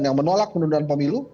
yang menolak penundaan pemilu